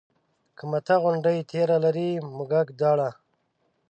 که مته غوندې تېره لري مږک داړه